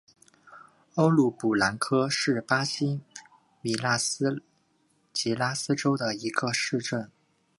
欧鲁布兰科是巴西米纳斯吉拉斯州的一个市镇。